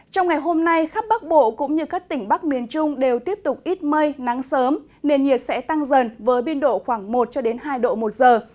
trong ngày hôm nay khắp bắc bộ cũng như các tỉnh bắc miền trung đều tiếp tục ít mây nắng sớm nền nhiệt sẽ tăng dần với biên độ khoảng một hai độ một giờ